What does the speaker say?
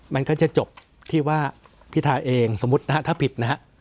มันก็จะจบที่ว่าพิทาเองสมมุตินะฮะถ้าผิดนะฮะ